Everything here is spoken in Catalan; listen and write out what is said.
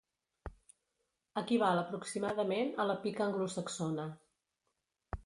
Equival aproximadament a la pica anglosaxona.